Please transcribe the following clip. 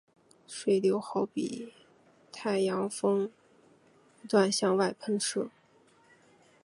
水流好比太阳风不断向外喷射。